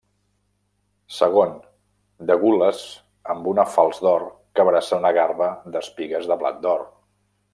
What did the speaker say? Segon, de gules amb una falç d'or que abraça una garba d'espigues de blat d'or.